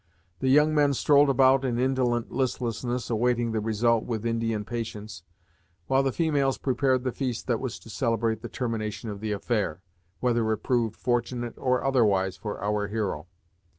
The young men strolled about in indolent listlessness, awaiting the result with Indian patience, while the females prepared the feast that was to celebrate the termination of the affair, whether it proved fortunate or otherwise for our hero.